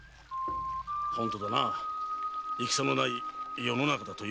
本当だな戦のない世の中だというのに。